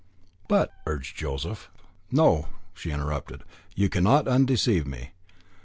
"But " urged Joseph. "No," she interrupted, "you cannot undeceive me.